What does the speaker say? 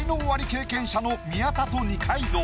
経験者の宮田と二階堂。